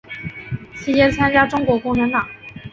期间参加中国共产党。